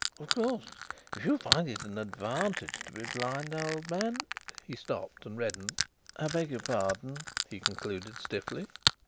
Of course, if you find it an advantage to be blind, old man " He stopped and reddened. "I beg your pardon," he concluded stiffly.